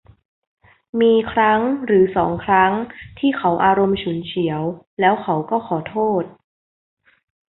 มีครั้งหรือสองครั้งที่เขาอารมณ์ฉุนเฉียว แล้วเขาก็ขอโทษ